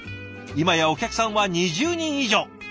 今やお客さんは２０人以上！